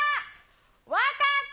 分かった！